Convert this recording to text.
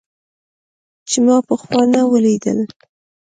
چې ما پخوا نه و ليدلى.